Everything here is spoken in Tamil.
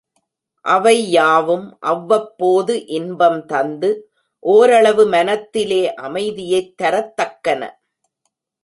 அவை யாவும் அவ்வப்போது இன்பம் தந்து ஒரளவு மனத்திலே அமைதியைத் தரத் தக்கன.